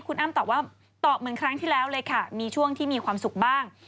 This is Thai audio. คุณอ้ำตอบว่าตอบเหมือนครั้งที่แล้วเลยค่ะมีช่วงที่มีความสุขบ้าง